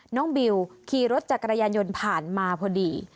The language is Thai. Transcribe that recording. บิวขี่รถจักรยานยนต์ผ่านมาพอดี